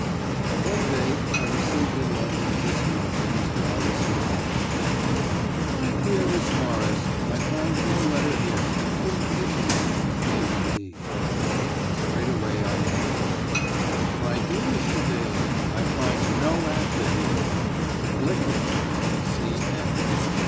One day I received in London this note from Mr. Augustin Daly: "MY DEAR MISS MORRIS: I find no letter here. Impatiently, A. D." And straightway I answered: "MY DEAR MR. DALY: I find no actor here. Afflictedly, C. M."